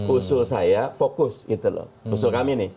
usul saya fokus gitu loh usul kami nih